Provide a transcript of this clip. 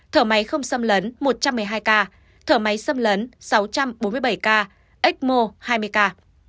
thở máy không xâm lấn một trăm một mươi hai ca thở máy xâm lấn sáu trăm bốn mươi bảy ca ecmo hai mươi ca